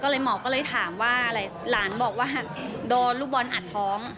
ก็เลยหมอก็เลยถามว่าอะไรหลานบอกว่าโดนลูกบอลอัดท้อง